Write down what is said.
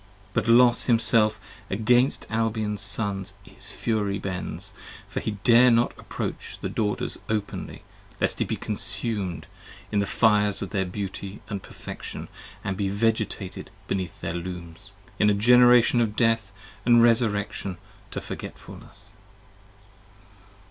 But Los himself against Albion's Sons his fury bends, for he Dare not approach the Daughters openly lest he be consumed In the fires of their beauty & perfection & be Vegetated beneath Their Looms, in a Generation of death & resurrection to forgetfulness.